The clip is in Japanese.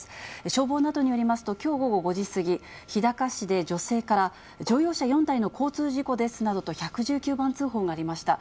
消防などによりますと、きょう午後５時過ぎ、日高市で女性から、乗用車４台の交通事故ですなどと、１１９番通報がありました。